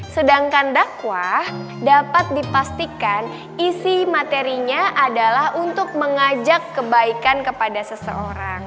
sedangkan dakwah dapat dipastikan isi materinya adalah untuk mengajak kebaikan kepada seseorang